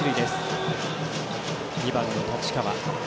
２番の太刀川。